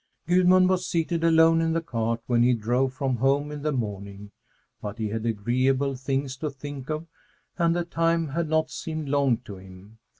Gudmund was seated alone in the cart when he drove from home in the morning, but he had agreeable things to think of and the time had not seemed long to him.